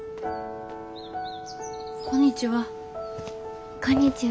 こんにちは。